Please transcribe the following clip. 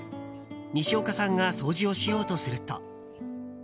にしおかさんが掃除をしようとすると。